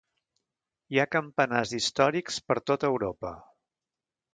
Hi ha campanars històrics per tota Europa.